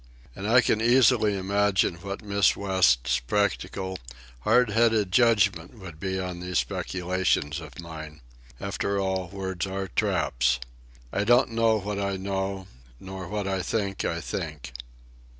And I can easily imagine what Miss West's practical, hard headed judgment would be on these speculations of mine. After all, words are traps. I don't know what I know, nor what I think I think.